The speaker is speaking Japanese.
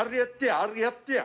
あれやってよ。